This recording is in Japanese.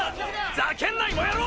ざけんな芋野郎！